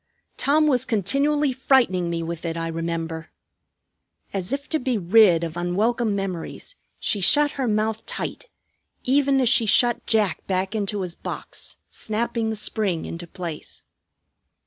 "Tom was continually frightening me with it, I remember." As if to be rid of unwelcome memories she shut her mouth tight, even as she shut Jack back into his box, snapping the spring into place.